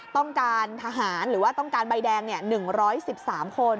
ต้องการทหารหรือว่าต้องการใบแดง๑๑๓คน